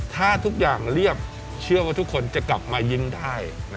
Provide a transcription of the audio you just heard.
ถ้าทุกอย่างเรียบเชื่อว่าทุกคนจะกลับมายิ้มได้